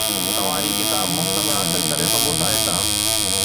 توھان ھي ڪتاب مفت ۾ حاصل ڪري سگھو ٿا ھتان